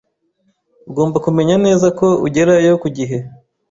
Ugomba kumenya neza ko ugerayo ku gihe.